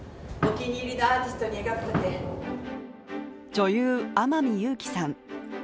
女優・天海祐希さん。